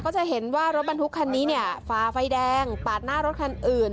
จะเห็นว่ารถบรรทุกคันนี้เนี่ยฝ่าไฟแดงปาดหน้ารถคันอื่น